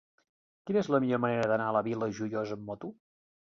Quina és la millor manera d'anar a la Vila Joiosa amb moto?